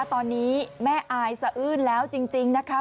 ตอนนี้แม่อายสะอื้นแล้วจริงนะคะ